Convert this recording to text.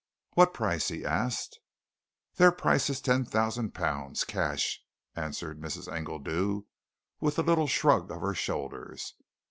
"What price?" he asked. "Their price is ten thousand pounds cash," answered Mrs. Engledew, with a little shrug of her shoulders.